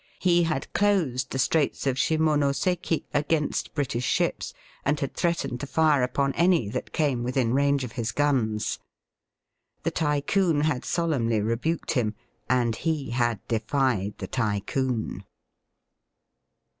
He had closed the Straits of Shimonoseki against British ships, and had threatened to fire upon any that came within range of his guns. The Tycoon had solemnly rebuked him, and he had defied the Tycoon.